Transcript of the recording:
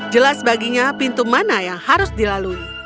jelas baginya pintu mana yang harus dilalui